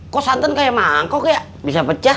kok santan kayak mangkok ya bisa pecah